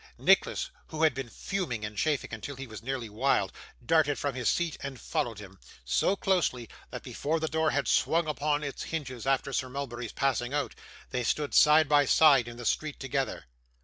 Nicholas, who had been fuming and chafing until he was nearly wild, darted from his seat, and followed him: so closely, that before the door had swung upon its hinges after Sir Mulberry's passing out, they stood side by side in the street together.